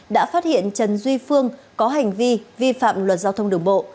đã phát hiện trần duy phương có hành vi vi phạm luật giao thông đường bộ